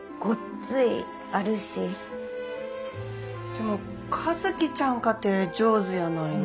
でも和希ちゃんかて上手やないの。